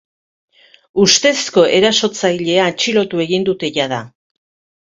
Ustezko erasotzailea atxilotu egin dute jada.